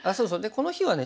この日はね